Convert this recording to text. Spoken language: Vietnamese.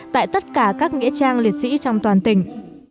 tại tất cả các nghĩa trang liệt sĩ trong toàn tỉnh